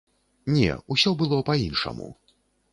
Не, усё было па-іншаму.